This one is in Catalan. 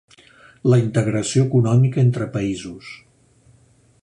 La integració econòmica entre països.